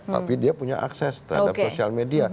tapi dia punya akses terhadap sosial media